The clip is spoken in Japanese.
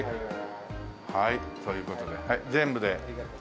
はいという事で全部で？